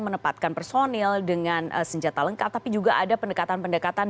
menempatkan personil dengan senjata lengkap tapi juga ada pendekatan pendekatan